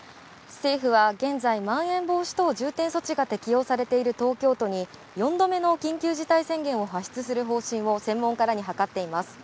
政府は現在、まん延防止等重点措置が適用されている東京都に４度目の緊急事態宣言を発出する方針を専門家らに諮っています。